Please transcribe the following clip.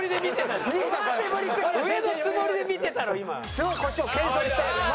すごいこっちも謙遜して。